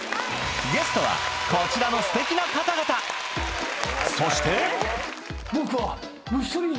ゲストはこちらのすてきな方々そして僕は。